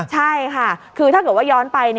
ใช่ค่ะคือถ้าเกิดว่าย้อนไป